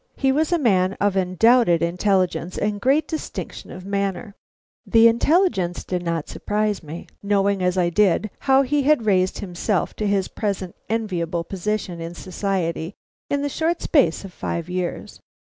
He was a man of undoubted intelligence and great distinction of manner. The intelligence did not surprise me, knowing, as I did, how he had raised himself to his present enviable position in society in the short space of five years.